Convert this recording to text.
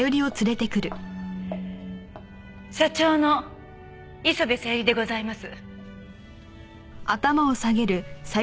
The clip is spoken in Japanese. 社長の磯部小百合でございます。